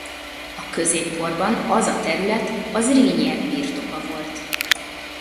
A középkorban az a terület a Zrínyiek birtoka volt.